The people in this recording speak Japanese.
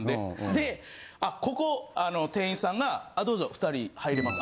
であっここ店員さんが「あどうぞ２人入れます」